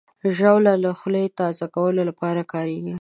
ژاوله د خولې تازه کولو لپاره کارېږي.